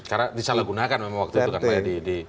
karena disalahgunakan memang waktu itu kan pak di masa lalu